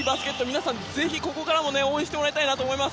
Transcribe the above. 皆さん、ぜひここからも応援してもらいたいなと思います。